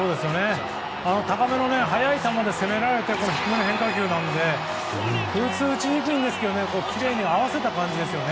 高めの速い球で攻められて低めの変化球ですので打ちにくいですがきれいに合わせましたよね。